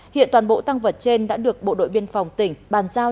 hiện toàn bộ tăng vật trên đã được bộ đội biên phòng tỉnh bàn giao